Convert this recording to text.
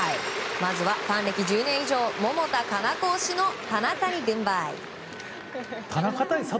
まずはファン歴１０年以上百田夏菜子推しの田中に軍配。